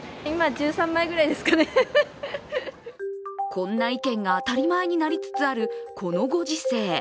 こんな意見が当たり前になりつつある、このご時世。